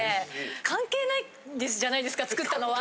関係ないじゃないですか作ったのは。